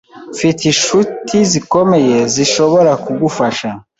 Mfite inshuti zikomeye zishobora kugufasha.